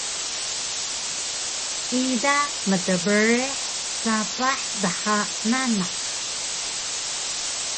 ida mtbrih sapah dha nanaq